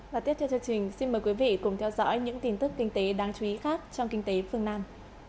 và tiếp theo chương trình xin mời quý vị cùng theo dõi những tin tức kinh tế đáng chú ý khác trong kinh tế phương nam